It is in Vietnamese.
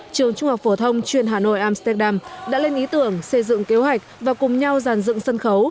trường trung học phổ thông chuyên hà nội amsterdam đã lên ý tưởng xây dựng kế hoạch và cùng nhau giàn dựng sân khấu